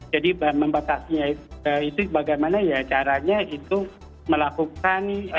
jadi membatasinya itu bagaimana ya caranya itu melakukan